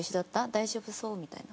大丈夫そう？」みたいな。